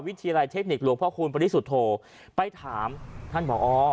วิทยาลัยเทคนิคหลวงพ่อคูณปริสุทธโธไปถามท่านผอ